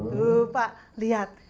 lho pak liat